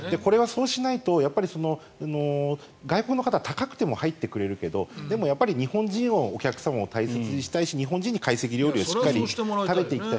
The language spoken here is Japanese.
そうしないと、外国人は高くても泊まってくれるけどでも日本人のお客さんを大切にしたいし日本人に会席料理を食べてもらいたい。